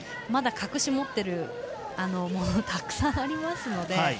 まだ隠し持っているものがたくさんありますので。